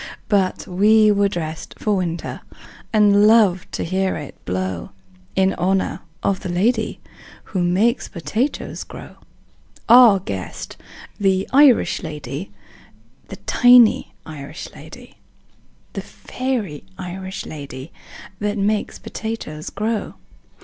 But we were dressed for winter, And loved to hear it blow In honor of the lady Who makes potatoes grow Our guest, the Irish lady, The tiny Irish lady, The fairy Irish lady That makes potatoes grow.